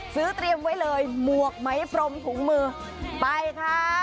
เตรียมไว้เลยหมวกไหมพรมถุงมือไปค่ะ